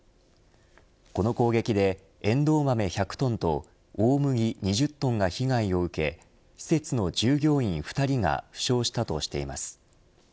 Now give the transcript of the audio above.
この攻撃でエンドウ豆１００トンと大麦２０トンが被害を受け施設の従業員２人が負傷したとしています。